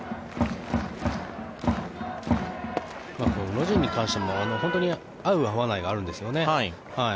ロジンに関しても合う合わないがあるんですよね。